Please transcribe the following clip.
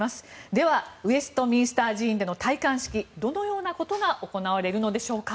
ではウェストミンスター寺院での戴冠式どのようなことが行われるのでしょうか。